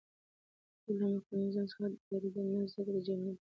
دوی له کمونیزم څخه ډارېدل نو ځکه د جرمني په راتګ خوښ وو